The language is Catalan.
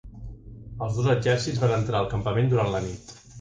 Els dos exèrcits van entrar al campament durant la nit.